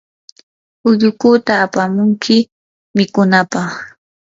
ullukuta apamunki mikunapaq.